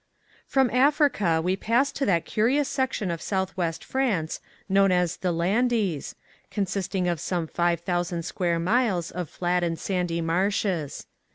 From Africa we pass to that curious section of Southwest France known as the "Landes," consisting of some 5,000 square miles of flat and sandy marshes.